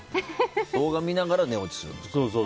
動画見ながら寝落ちするんですか。